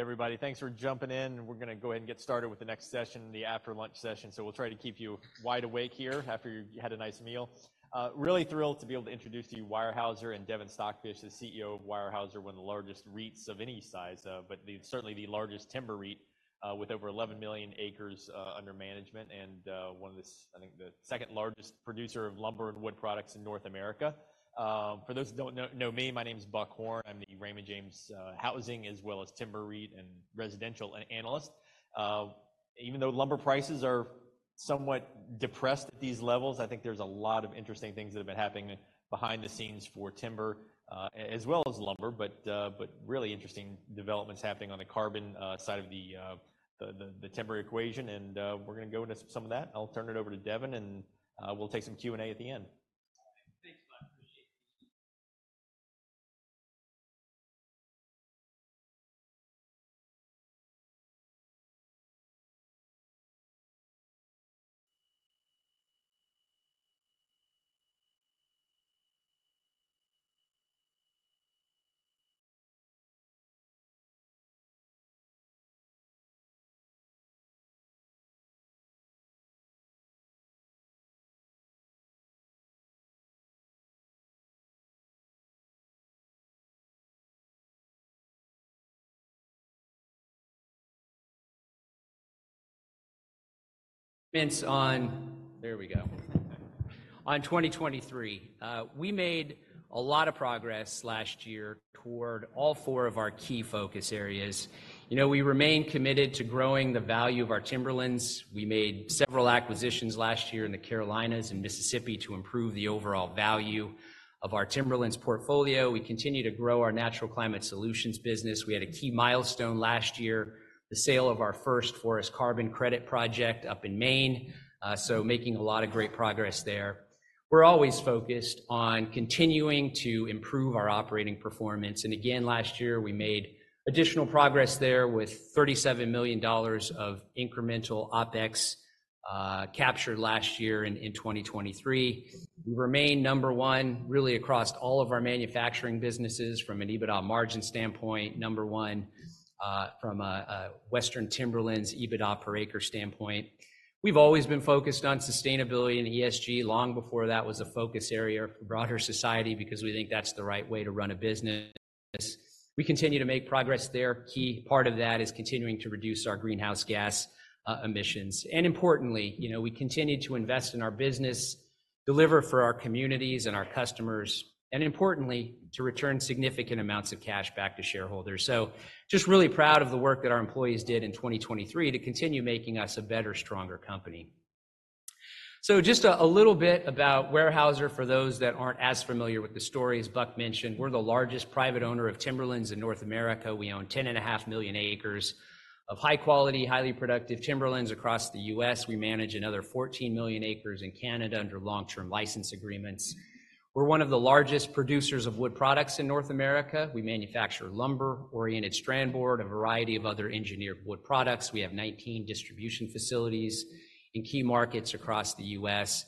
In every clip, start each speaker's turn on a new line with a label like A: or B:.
A: All right, everybody. Thanks for jumping in. We're going to go ahead and get started with the next session, the after-lunch session, so we'll try to keep you wide awake here after you've had a nice meal. Really thrilled to be able to introduce to you Weyerhaeuser and Devin Stockfish, the CEO of Weyerhaeuser, one of the largest REITs of any size, but certainly the largest timber REIT with over 11 million acres under management and one of the, I think, the second-largest producer of lumber and wood products in North America. For those who don't know me, my name is Buck Horne. I'm the Raymond James Housing as well as Timber REIT and residential analyst. Even though lumber prices are somewhat depressed at these levels, I think there's a lot of interesting things that have been happening behind the scenes for timber as well as lumber, but really interesting developments happening on the carbon side of the timber equation. We're going to go into some of that. I'll turn it over to Devin, and we'll take some Q&A at the end.
B: Thanks, Buck. Appreciate the. In 2023, we made a lot of progress last year toward all four of our key focus areas. We remain committed to growing the value of our timberlands. We made several acquisitions last year in the Carolinas and Mississippi to improve the overall value of our timberlands portfolio. We continue to grow our Natural Climate Solutions business. We had a key milestone last year, the sale of our first forest carbon credit project up in Maine, so making a lot of great progress there. We're always focused on continuing to improve our operating performance. And again, last year, we made additional progress there with $37 million of incremental OpEx captured last year in 2023. We remain number one, really, across all of our manufacturing businesses from an EBITDA margin standpoint, number one from a Western timberlands EBITDA per acre standpoint. We've always been focused on sustainability and ESG long before that was a focus area for broader society because we think that's the right way to run a business. We continue to make progress there. Key part of that is continuing to reduce our greenhouse gas emissions. And importantly, we continue to invest in our business, deliver for our communities and our customers, and importantly, to return significant amounts of cash back to shareholders. So just really proud of the work that our employees did in 2023 to continue making us a better, stronger company. So just a little bit about Weyerhaeuser for those that aren't as familiar with the story. As Buck mentioned, we're the largest private owner of timberlands in North America. We own 10.5 million acres of high-quality, highly productive timberlands across the U.S. We manage another 14 million acres in Canada under long-term license agreements. We're one of the largest producers of wood products in North America. We manufacture lumber, oriented strand board, a variety of other engineered wood products. We have 19 distribution facilities in key markets across the U.S.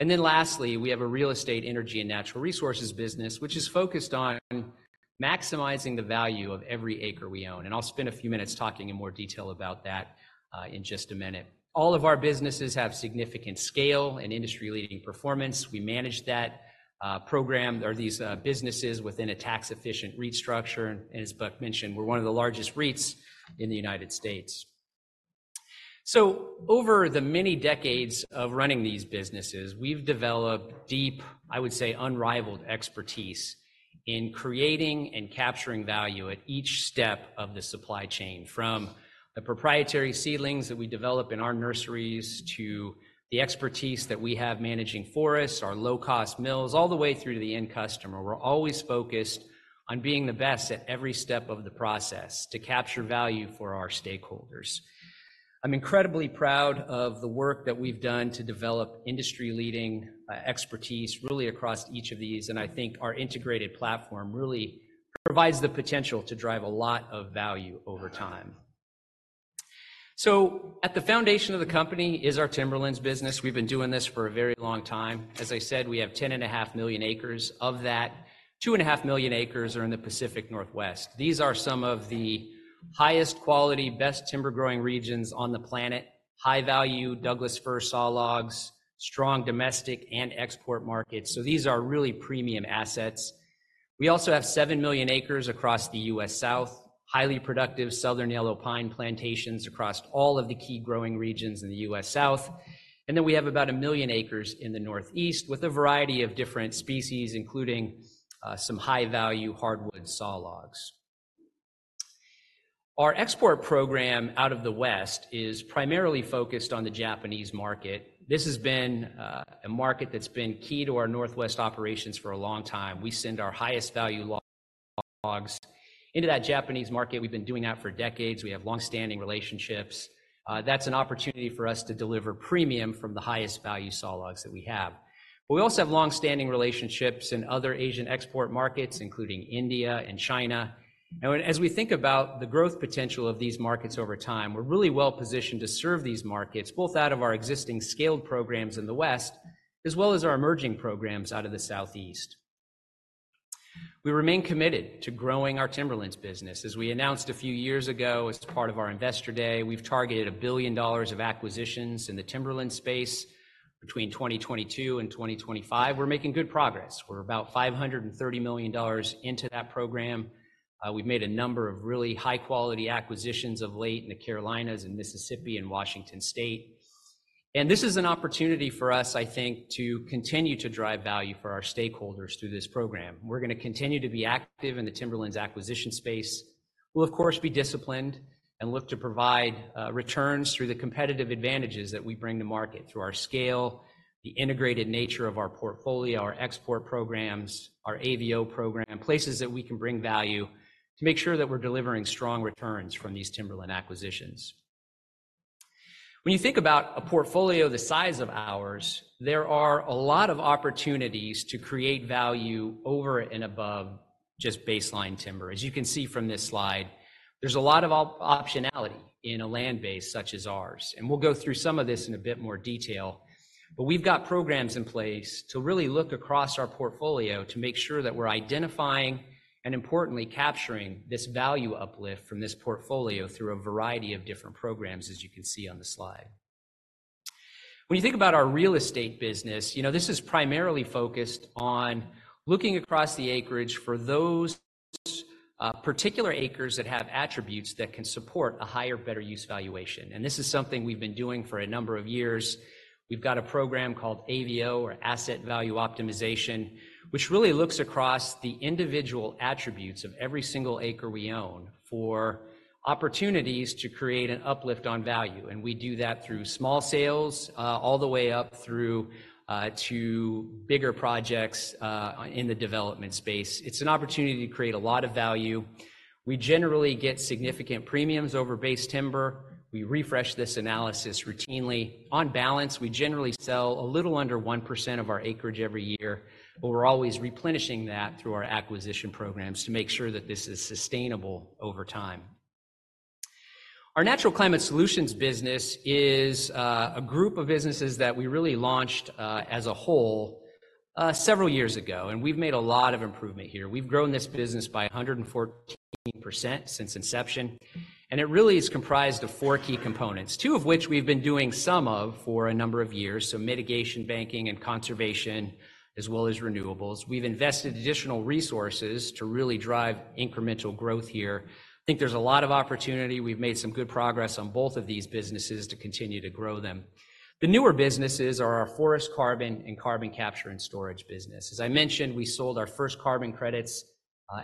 B: And then lastly, we have a real estate, energy, and natural resources business, which is focused on maximizing the value of every acre we own. And I'll spend a few minutes talking in more detail about that in just a minute. All of our businesses have significant scale and industry-leading performance. We manage that program or these businesses within a tax-efficient REIT structure. And as Buck mentioned, we're one of the largest REITs in the United States. Over the many decades of running these businesses, we've developed deep, I would say, unrivaled expertise in creating and capturing value at each step of the supply chain, from the proprietary seedlings that we develop in our nurseries to the expertise that we have managing forests, our low-cost mills, all the way through to the end customer. We're always focused on being the best at every step of the process to capture value for our stakeholders. I'm incredibly proud of the work that we've done to develop industry-leading expertise, really, across each of these. And I think our integrated platform really provides the potential to drive a lot of value over time. At the foundation of the company is our timberlands business. We've been doing this for a very long time. As I said, we have 10.5 million acres. Of that, 2.5 million acres are in the Pacific Northwest. These are some of the highest quality, best timber-growing regions on the planet, high-value Douglas Fir saw logs, strong domestic and export markets. So these are really premium assets. We also have 7 million acres across the U.S. South, highly productive southern yellow pine plantations across all of the key growing regions in the U.S. South. And then we have about 1 million acres in the Northeast with a variety of different species, including some high-value hardwood saw logs. Our export program out of the West is primarily focused on the Japanese market. This has been a market that's been key to our Northwest operations for a long time. We send our highest-value logs into that Japanese market. We've been doing that for decades. We have longstanding relationships. That's an opportunity for us to deliver premium from the highest-value saw logs that we have. But we also have longstanding relationships in other Asian export markets, including India and China. And as we think about the growth potential of these markets over time, we're really well-positioned to serve these markets, both out of our existing scaled programs in the West as well as our emerging programs out of the Southeast. We remain committed to growing our timberlands business. As we announced a few years ago as part of our investor day, we've targeted $1 billion of acquisitions in the timberlands space between 2022 and 2025. We're making good progress. We're about $530 million into that program. We've made a number of really high-quality acquisitions of late in the Carolinas and Mississippi and Washington State. This is an opportunity for us, I think, to continue to drive value for our stakeholders through this program. We're going to continue to be active in the timberlands acquisition space. We'll, of course, be disciplined and look to provide returns through the competitive advantages that we bring to market, through our scale, the integrated nature of our portfolio, our export programs, our AVO program, places that we can bring value to make sure that we're delivering strong returns from these timberland acquisitions. When you think about a portfolio the size of ours, there are a lot of opportunities to create value over and above just baseline timber. As you can see from this slide, there's a lot of optionality in a land base such as ours. We'll go through some of this in a bit more detail. But we've got programs in place to really look across our portfolio to make sure that we're identifying and, importantly, capturing this value uplift from this portfolio through a variety of different programs, as you can see on the slide. When you think about our real estate business, this is primarily focused on looking across the acreage for those particular acres that have attributes that can support a higher, better use valuation. This is something we've been doing for a number of years. We've got a program called AVO or Asset Value Optimization, which really looks across the individual attributes of every single acre we own for opportunities to create an uplift on value. We do that through small sales all the way up to bigger projects in the development space. It's an opportunity to create a lot of value. We generally get significant premiums over base timber. We refresh this analysis routinely. On balance, we generally sell a little under 1% of our acreage every year, but we're always replenishing that through our acquisition programs to make sure that this is sustainable over time. Our Natural Climate Solutions business is a group of businesses that we really launched as a whole several years ago. We've made a lot of improvement here. We've grown this business by 114% since inception. It really is comprised of four key components, two of which we've been doing some of for a number of years, so mitigation banking and conservation, as well as renewables. We've invested additional resources to really drive incremental growth here. I think there's a lot of opportunity. We've made some good progress on both of these businesses to continue to grow them. The newer businesses are our Forest Carbon and Carbon Capture and Storage business. As I mentioned, we sold our first carbon credits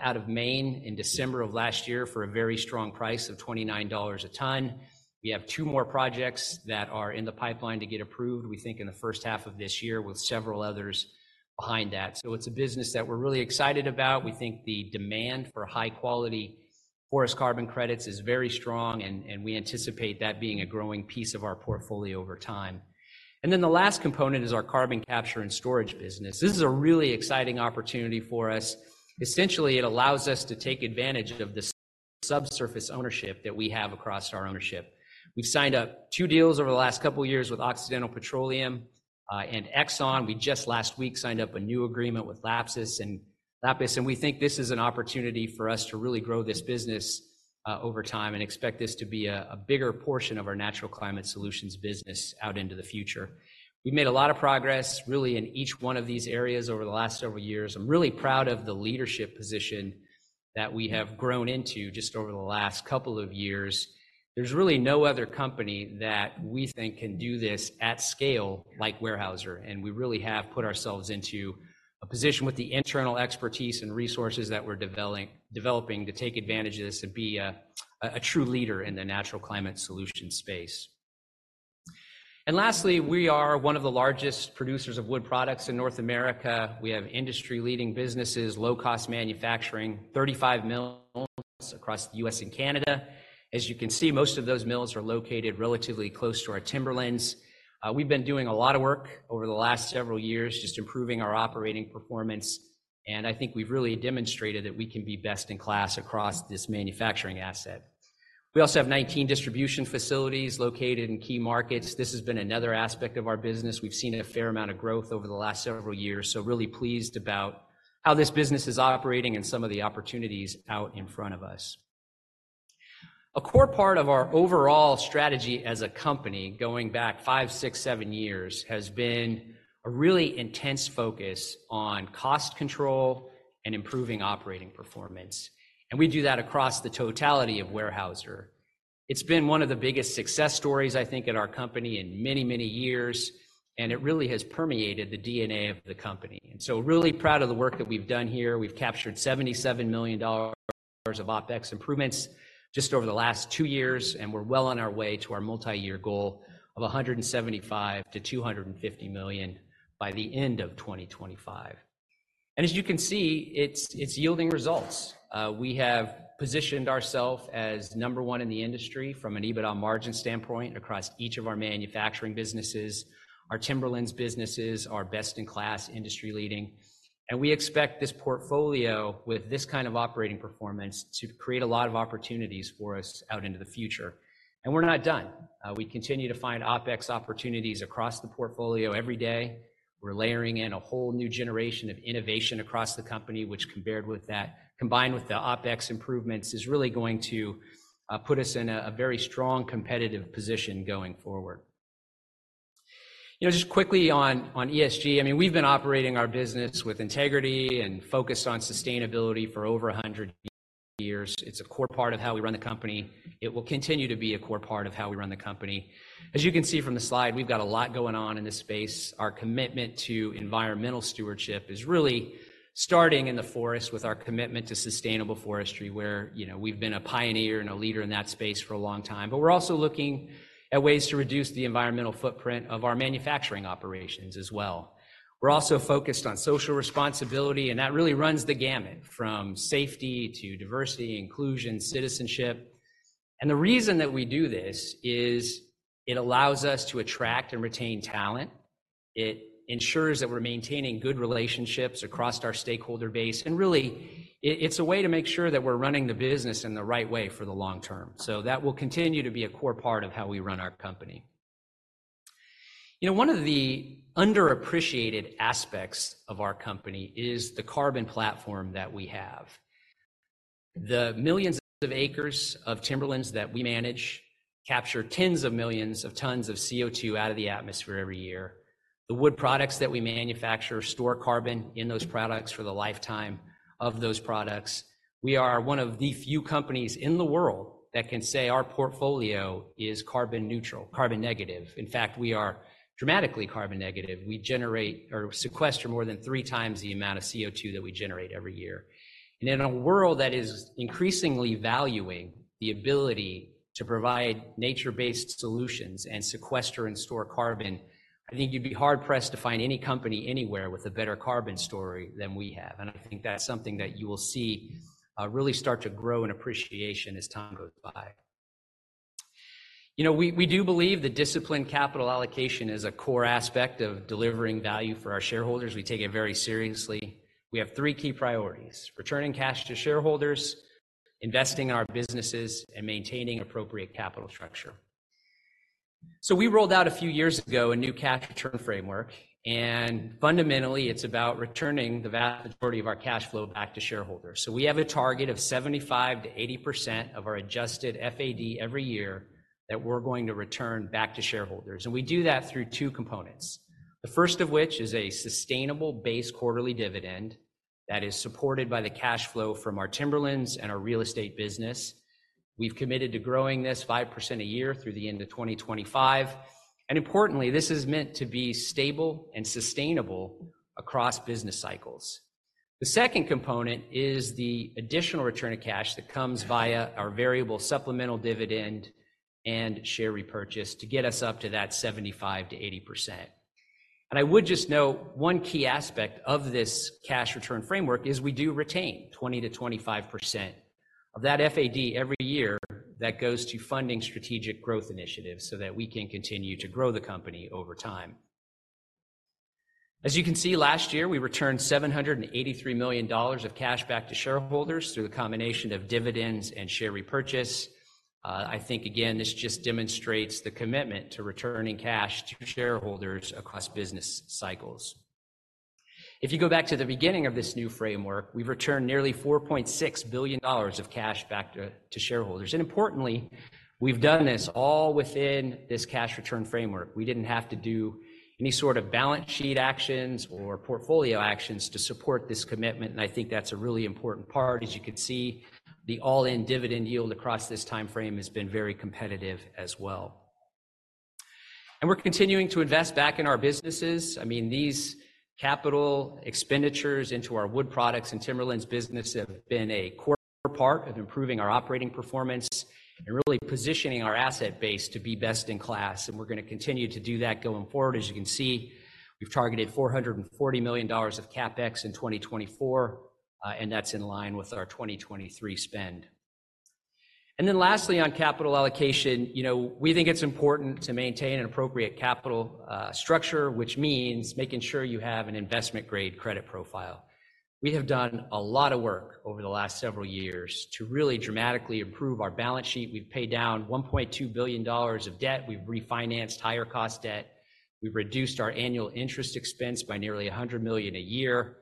B: out of Maine in December of last year for a very strong price of $29 a ton. We have two more projects that are in the pipeline to get approved, we think, in the H1 of this year with several others behind that. So it's a business that we're really excited about. We think the demand for high-quality forest carbon credits is very strong, and we anticipate that being a growing piece of our portfolio over time. And then the last component is our carbon capture and storage business. This is a really exciting opportunity for us. Essentially, it allows us to take advantage of the subsurface ownership that we have across our ownership. We've signed up two deals over the last couple of years with Occidental Petroleum and Exxon. We just last week signed up a new agreement with Lapis, and we think this is an opportunity for us to really grow this business over time and expect this to be a bigger portion of our Natural Climate Solutions business out into the future. We've made a lot of progress, really, in each one of these areas over the last several years. I'm really proud of the leadership position that we have grown into just over the last couple of years. There's really no other company that we think can do this at scale like Weyerhaeuser. And we really have put ourselves into a position with the internal expertise and resources that we're developing to take advantage of this and be a true leader in the Natural Climate Solutions space. And lastly, we are one of the largest producers of wood products in North America. We have industry-leading businesses, low-cost manufacturing, 35 mills across the U.S. and Canada. As you can see, most of those mills are located relatively close to our timberlands. We've been doing a lot of work over the last several years just improving our operating performance. And I think we've really demonstrated that we can be best in class across this manufacturing asset. We also have 19 distribution facilities located in key markets. This has been another aspect of our business. We've seen a fair amount of growth over the last several years, so really pleased about how this business is operating and some of the opportunities out in front of us. A core part of our overall strategy as a company, going back 5, 6, 7 years, has been a really intense focus on cost control and improving operating performance. And we do that across the totality of Weyerhaeuser. It's been one of the biggest success stories, I think, at our company in many, many years. It really has permeated the DNA of the company. So really proud of the work that we've done here. We've captured $77 million of OpEx improvements just over the last two years, and we're well on our way to our multi-year goal of $175-250 million by the end of 2025. As you can see, it's yielding results. We have positioned ourselves as number one in the industry from an EBITDA margin standpoint across each of our manufacturing businesses. Our timberlands businesses are best in class, industry-leading. We expect this portfolio with this kind of operating performance to create a lot of opportunities for us out into the future. We're not done. We continue to find OpEx opportunities across the portfolio every day. We're layering in a whole new generation of innovation across the company, which, combined with the OpEx improvements, is really going to put us in a very strong competitive position going forward. Just quickly on ESG, I mean, we've been operating our business with integrity and focus on sustainability for over 100 years. It's a core part of how we run the company. It will continue to be a core part of how we run the company. As you can see from the slide, we've got a lot going on in this space. Our commitment to environmental stewardship is really starting in the forest with our commitment to sustainable forestry, where we've been a pioneer and a leader in that space for a long time. But we're also looking at ways to reduce the environmental footprint of our manufacturing operations as well. We're also focused on social responsibility, and that really runs the gamut from safety to diversity, inclusion, citizenship. The reason that we do this is it allows us to attract and retain talent. It ensures that we're maintaining good relationships across our stakeholder base. Really, it's a way to make sure that we're running the business in the right way for the long term. That will continue to be a core part of how we run our company. One of the underappreciated aspects of our company is the carbon platform that we have. The millions of acres of timberlands that we manage capture tens of millions of tons of CO2 out of the atmosphere every year. The wood products that we manufacture store carbon in those products for the lifetime of those products. We are one of the few companies in the world that can say our portfolio is carbon neutral, carbon negative. In fact, we are dramatically carbon negative. We sequester more than three times the amount of CO2 that we generate every year. And in a world that is increasingly valuing the ability to provide nature-based solutions and sequester and store carbon, I think you'd be hard-pressed to find any company anywhere with a better carbon story than we have. And I think that's something that you will see really start to grow in appreciation as time goes by. We do believe that disciplined capital allocation is a core aspect of delivering value for our shareholders. We take it very seriously. We have three key priorities: returning cash to shareholders, investing in our businesses, and maintaining appropriate capital structure. So we rolled out a few years ago a new cash return framework. Fundamentally, it's about returning the vast majority of our cash flow back to shareholders. We have a target of 75%-80% of our Adjusted FAD every year that we're going to return back to shareholders. We do that through two components, the first of which is a sustainable base quarterly dividend that is supported by the cash flow from our timberlands and our real estate business. We've committed to growing this 5% a year through the end of 2025. Importantly, this is meant to be stable and sustainable across business cycles. The second component is the additional return of cash that comes via our variable supplemental dividend and share repurchase to get us up to that 75%-80%. I would just note one key aspect of this cash return framework is we do retain 20%-25% of that FAD every year that goes to funding strategic growth initiatives so that we can continue to grow the company over time. As you can see, last year, we returned $783 million of cash back to shareholders through the combination of dividends and share repurchase. I think, again, this just demonstrates the commitment to returning cash to shareholders across business cycles. If you go back to the beginning of this new framework, we've returned nearly $4.6 billion of cash back to shareholders. Importantly, we've done this all within this cash return framework. We didn't have to do any sort of balance sheet actions or portfolio actions to support this commitment. I think that's a really important part. As you can see, the all-in dividend yield across this time frame has been very competitive as well. We're continuing to invest back in our businesses. I mean, these capital expenditures into our wood products and timberlands business have been a core part of improving our operating performance and really positioning our asset base to be best in class. We're going to continue to do that going forward. As you can see, we've targeted $440 million of CapEx in 2024, and that's in line with our 2023 spend. Then lastly, on capital allocation, we think it's important to maintain an appropriate capital structure, which means making sure you have an investment-grade credit profile. We have done a lot of work over the last several years to really dramatically improve our balance sheet. We've paid down $1.2 billion of debt. We've refinanced higher-cost debt. We've reduced our annual interest expense by nearly $100 million a year.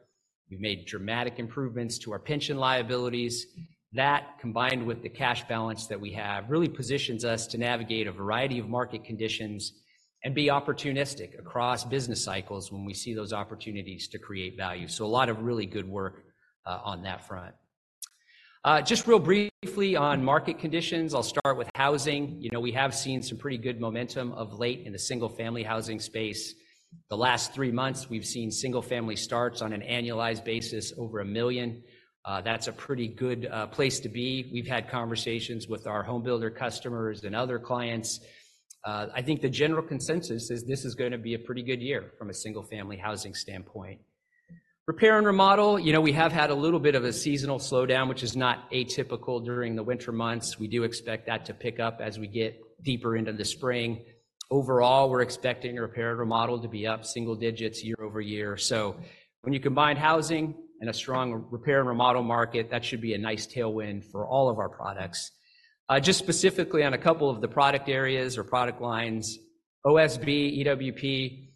B: We've made dramatic improvements to our pension liabilities. That, combined with the cash balance that we have, really positions us to navigate a variety of market conditions and be opportunistic across business cycles when we see those opportunities to create value. So a lot of really good work on that front. Just real briefly on market conditions, I'll start with housing. We have seen some pretty good momentum of late in the single-family housing space. The last three months, we've seen single-family starts on an annualized basis over one million. That's a pretty good place to be. We've had conversations with our homebuilder customers and other clients. I think the general consensus is this is going to be a pretty good year from a single-family housing standpoint. Repair and remodel, we have had a little bit of a seasonal slowdown, which is not atypical during the winter months. We do expect that to pick up as we get deeper into the spring. Overall, we're expecting repair and remodel to be up single digits year-over-year. So when you combine housing and a strong repair and remodel market, that should be a nice tailwind for all of our products. Just specifically on a couple of the product areas or product lines, OSB, EWP,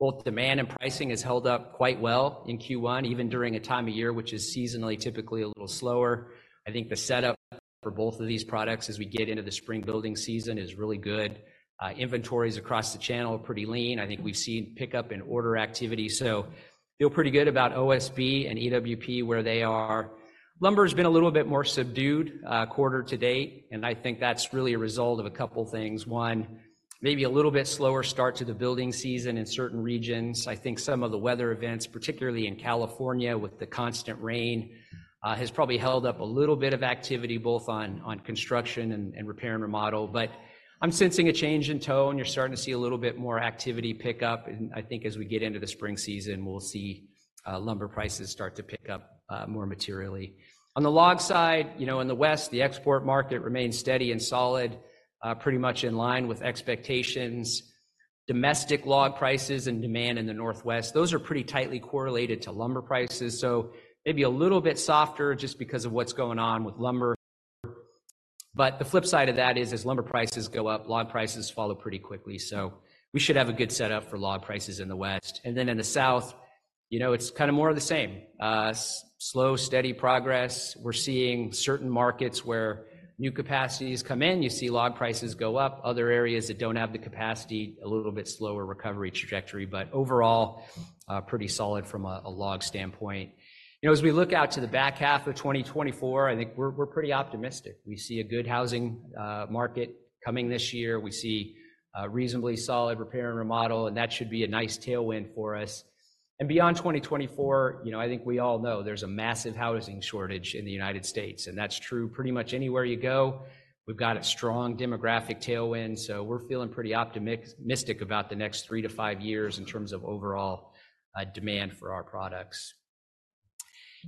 B: both demand and pricing has held up quite well in Q1, even during a time of year which is seasonally typically a little slower. I think the setup for both of these products as we get into the spring building season is really good. Inventories across the channel are pretty lean. I think we've seen pickup in order activity. So feel pretty good about OSB and EWP where they are. Lumber has been a little bit more subdued quarter to date, and I think that's really a result of a couple of things. One, maybe a little bit slower start to the building season in certain regions. I think some of the weather events, particularly in California with the constant rain, has probably held up a little bit of activity both on construction and repair and remodel. But I'm sensing a change in tone. You're starting to see a little bit more activity pick up. And I think as we get into the spring season, we'll see lumber prices start to pick up more materially. On the log side, in the west, the export market remains steady and solid, pretty much in line with expectations. Domestic log prices and demand in the northwest, those are pretty tightly correlated to lumber prices, so maybe a little bit softer just because of what's going on with lumber. But the flip side of that is, as lumber prices go up, log prices follow pretty quickly. So we should have a good setup for log prices in the west. And then in the south, it's kind of more of the same, slow, steady progress. We're seeing certain markets where new capacities come in. You see log prices go up. Other areas that don't have the capacity, a little bit slower recovery trajectory. But overall, pretty solid from a log standpoint. As we look out to the back half of 2024, I think we're pretty optimistic. We see a good housing market coming this year. We see reasonably solid repair and remodel, and that should be a nice tailwind for us. And beyond 2024, I think we all know there's a massive housing shortage in the United States, and that's true pretty much anywhere you go. We've got a strong demographic tailwind, so we're feeling pretty optimistic about the next three to five years in terms of overall demand for our products.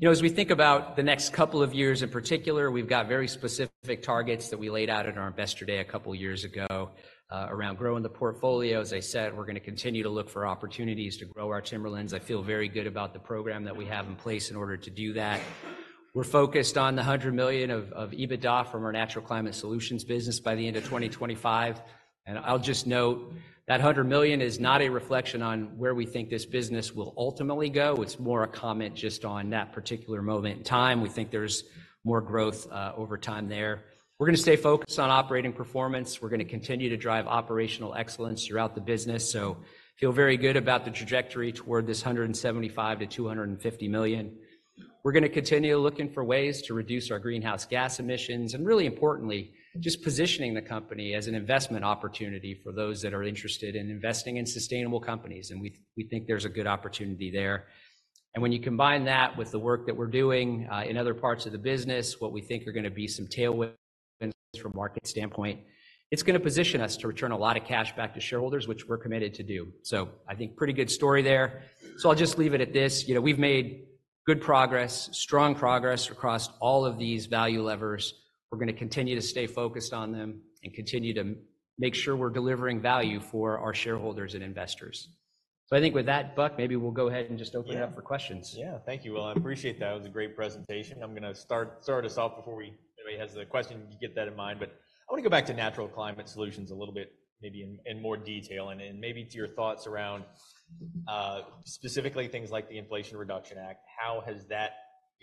B: As we think about the next couple of years in particular, we've got very specific targets that we laid out at our Investor Day a couple of years ago around growing the portfolio. As I said, we're going to continue to look for opportunities to grow our timberlands. I feel very good about the program that we have in place in order to do that. We're focused on the $100 million of EBITDA from our Natural Climate Solutions business by the end of 2025. I'll just note that $100 million is not a reflection on where we think this business will ultimately go. It's more a comment just on that particular moment in time. We think there's more growth over time there. We're going to stay focused on operating performance. We're going to continue to drive operational excellence throughout the business. So feel very good about the trajectory toward this $175-250 million. We're going to continue looking for ways to reduce our greenhouse gas emissions and, really importantly, just positioning the company as an investment opportunity for those that are interested in investing in sustainable companies. We think there's a good opportunity there. And when you combine that with the work that we're doing in other parts of the business, what we think are going to be some tailwinds from a market standpoint, it's going to position us to return a lot of cash back to shareholders, which we're committed to do. So I think pretty good story there. So I'll just leave it at this. We've made good progress, strong progress across all of these value levers. We're going to continue to stay focused on them and continue to make sure we're delivering value for our shareholders and investors. So I think with that, Buck, maybe we'll go ahead and just open it up for questions.
A: Yeah. Thank you, Well. I appreciate that. It was a great presentation. I'm going to start us off before anybody has the question. You get that in mind. But I want to go back to Natural Climate Solutions a little bit, maybe in more detail, and maybe to your thoughts around specifically things like the Inflation Reduction Act. How has that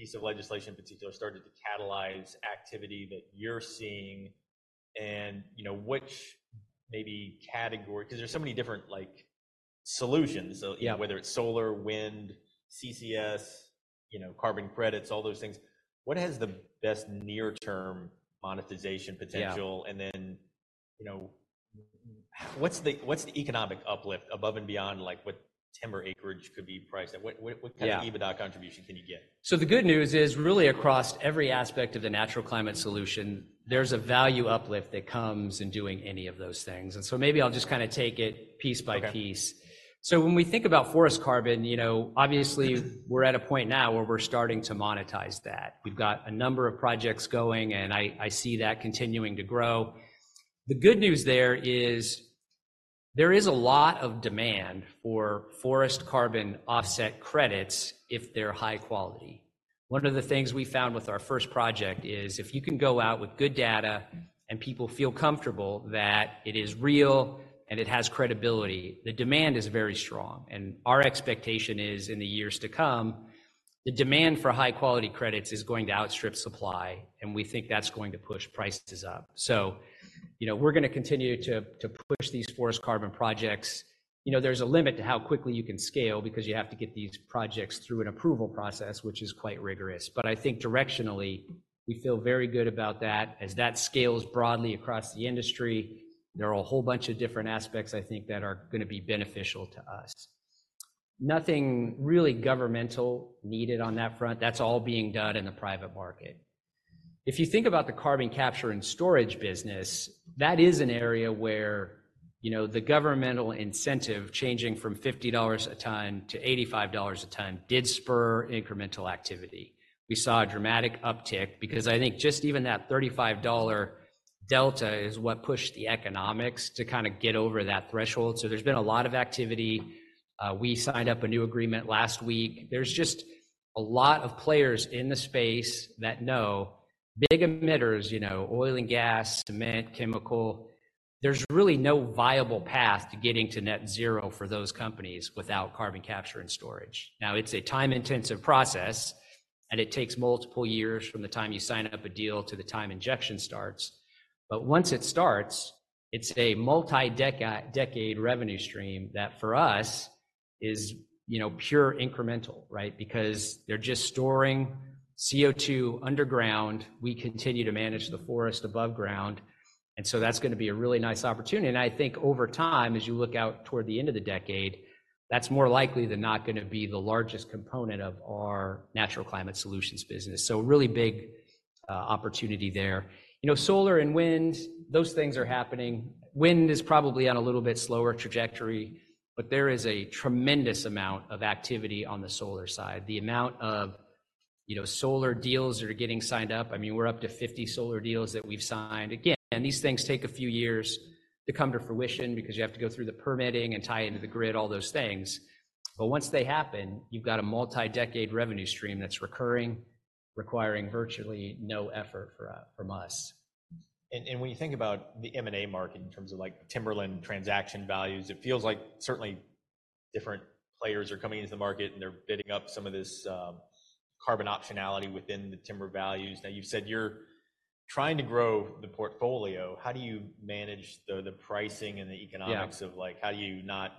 A: piece of legislation in particular started to catalyze activity that you're seeing? And which maybe category because there's so many different solutions, whether it's solar, wind, CCS, carbon credits, all those things. What has the best near-term monetization potential? And then what's the economic uplift above and beyond what timber acreage could be priced at? What kind of EBITDA contribution can you get?
B: So the good news is, really, across every aspect of the natural climate solution, there's a value uplift that comes in doing any of those things. And so maybe I'll just kind of take it piece by piece. So when we think about forest carbon, obviously, we're at a point now where we're starting to monetize that. We've got a number of projects going, and I see that continuing to grow. The good news there is there is a lot of demand for forest carbon offset credits if they're high quality. One of the things we found with our first project is if you can go out with good data and people feel comfortable that it is real and it has credibility, the demand is very strong. Our expectation is, in the years to come, the demand for high-quality credits is going to outstrip supply, and we think that's going to push prices up. So we're going to continue to push these forest carbon projects. There's a limit to how quickly you can scale because you have to get these projects through an approval process, which is quite rigorous. But I think directionally, we feel very good about that. As that scales broadly across the industry, there are a whole bunch of different aspects, I think, that are going to be beneficial to us. Nothing really governmental needed on that front. That's all being done in the private market. If you think about the carbon capture and storage business, that is an area where the governmental incentive changing from $50 a ton to $85 a ton did spur incremental activity. We saw a dramatic uptick because I think just even that $35 delta is what pushed the economics to kind of get over that threshold. So there's been a lot of activity. We signed up a new agreement last week. There's just a lot of players in the space that know big emitters, oil and gas, cement, chemical, there's really no viable path to getting to net zero for those companies without carbon capture and storage. Now, it's a time-intensive process, and it takes multiple years from the time you sign up a deal to the time injection starts. But once it starts, it's a multi-decade revenue stream that, for us, is pure incremental, right, because they're just storing CO2 underground. We continue to manage the forest above ground. And so that's going to be a really nice opportunity. And I think, over time, as you look out toward the end of the decade, that's more likely than not going to be the largest component of our Natural Climate Solutions business. So really big opportunity there. Solar and wind, those things are happening. Wind is probably on a little bit slower trajectory, but there is a tremendous amount of activity on the solar side. The amount of solar deals that are getting signed up, I mean, we're up to 50 solar deals that we've signed. Again, these things take a few years to come to fruition because you have to go through the permitting and tie into the grid, all those things. But once they happen, you've got a multi-decade revenue stream that's recurring, requiring virtually no effort from us.
A: When you think about the M&A market in terms of timberland transaction values, it feels like, certainly, different players are coming into the market, and they're bidding up some of this carbon optionality within the timber values. Now, you've said you're trying to grow the portfolio. How do you manage the pricing and the economics of how do you not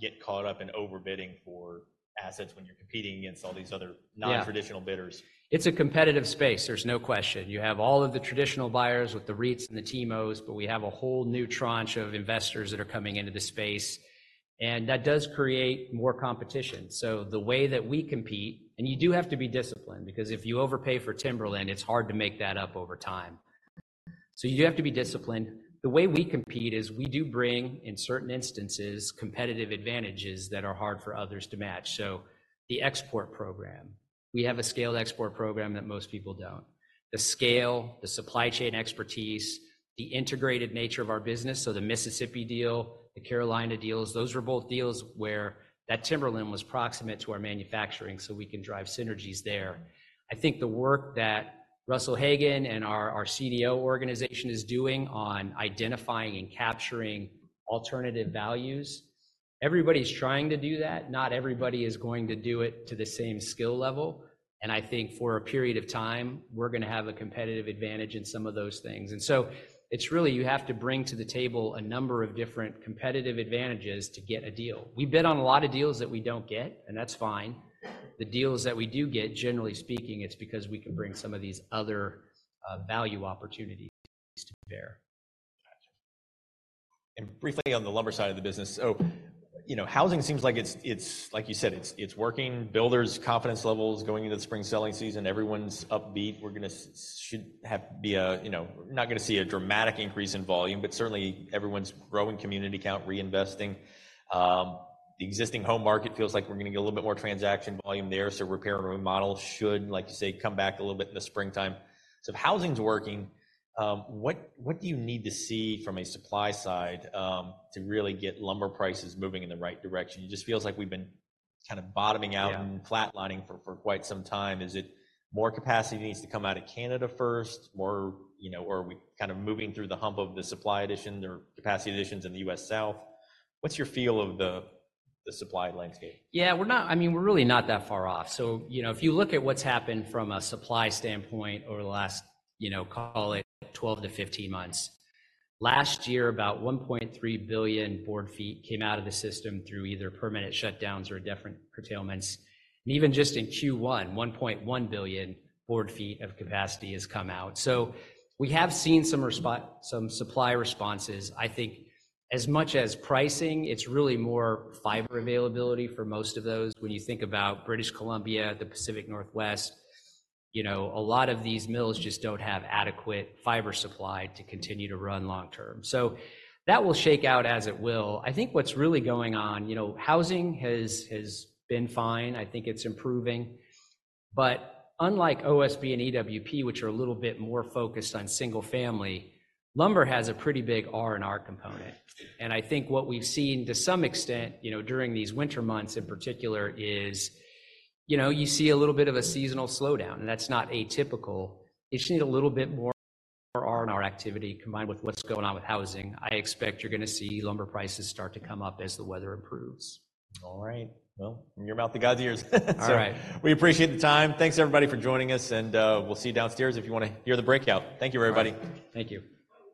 A: get caught up in overbidding for assets when you're competing against all these other non-traditional bidders?
B: Yeah. It's a competitive space. There's no question. You have all of the traditional buyers with the REITs and the TIMOs, but we have a whole new tranche of investors that are coming into the space. And that does create more competition. So the way that we compete and you do have to be disciplined because if you overpay for timberland, it's hard to make that up over time. So you do have to be disciplined. The way we compete is we do bring, in certain instances, competitive advantages that are hard for others to match. So the export program, we have a scaled export program that most people don't. The scale, the supply chain expertise, the integrated nature of our business, so the Mississippi deal, the Carolina deals, those were both deals where that timberland was proximate to our manufacturing, so we can drive synergies there. I think the work that Russell Hagen and our CDO organization is doing on identifying and capturing alternative values. Everybody's trying to do that. Not everybody is going to do it to the same skill level. And I think, for a period of time, we're going to have a competitive advantage in some of those things. And so it's really you have to bring to the table a number of different competitive advantages to get a deal. We bid on a lot of deals that we don't get, and that's fine. The deals that we do get, generally speaking, it's because we can bring some of these other value opportunities to bear.
A: Gotcha. Briefly on the lumber side of the business, housing seems like it's like you said, it's working. Builders' confidence levels going into the spring selling season, everyone's upbeat. We're not going to see a dramatic increase in volume, but certainly, everyone's growing community count, reinvesting. The existing home market feels like we're going to get a little bit more transaction volume there, so repair and remodel should, like you say, come back a little bit in the springtime. So if housing's working, what do you need to see from a supply side to really get lumber prices moving in the right direction? It just feels like we've been kind of bottoming out and flatlining for quite some time. Is it more capacity that needs to come out of Canada first, or are we kind of moving through the hump of the supply addition or capacity additions in the U.S. South? What's your feel of the supply landscape?
B: Yeah. I mean, we're really not that far off. So if you look at what's happened from a supply standpoint over the last, call it, 12-15 months, last year, about 1.3 billion board feet came out of the system through either permanent shutdowns or different curtailments. And even just in Q1, 1.1 billion board feet of capacity has come out. So we have seen some supply responses. I think, as much as pricing, it's really more fiber availability for most of those. When you think about British Columbia, the Pacific Northwest, a lot of these mills just don't have adequate fiber supply to continue to run long term. So that will shake out as it will. I think what's really going on housing has been fine. I think it's improving. But unlike OSB and EWP, which are a little bit more focused on single family, lumber has a pretty big R&R component. And I think what we've seen, to some extent, during these winter months in particular, is you see a little bit of a seasonal slowdown, and that's not atypical. It should need a little bit more R&R activity combined with what's going on with housing. I expect you're going to see lumber prices start to come up as the weather improves.
A: All right. Well, from your mouth to God's ears.
B: All right.
A: We appreciate the time. Thanks, everybody, for joining us. We'll see you downstairs if you want to hear the breakout. Thank you, everybody.
B: Thank you.